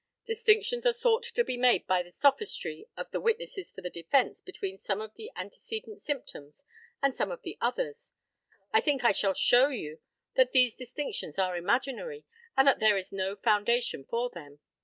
Distinctions are sought to be made by the sophistry of the witnesses for the defence between some of the antecedent symptoms and some of the others. I think I shall show you that these distinctions are imaginary and that there is no foundation for them.